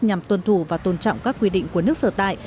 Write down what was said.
nhằm tuân thủ và tôn trọng các quy định của nước sở tại